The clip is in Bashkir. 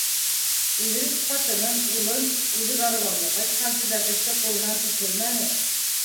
Иҙрис ҡатынын, улын үҙе барып алды, ҡайтҡансы бәпесте ҡулынан төшөрмәне.